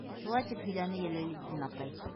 Шулай тип һөйләне Йәләлетдин атай.